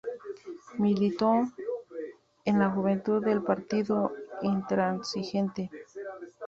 Militó en la Juventud del Partido Intransigente.